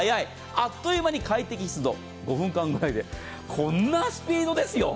あっという間に快適湿度５分間ぐらいでこんなスピードですよ。